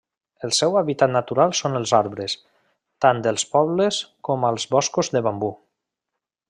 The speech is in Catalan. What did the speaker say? El seu hàbitat natural són els arbres, tant als pobles com als boscos de bambú.